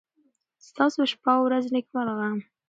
ستاسو شپه او ورځ نېکمرغه.